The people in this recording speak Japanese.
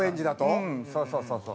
うんそうそうそうそう。